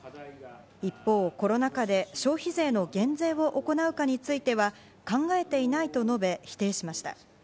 一方、コロナ禍で消費税の減税を行うかについては、考えていないと述べ、否定しました。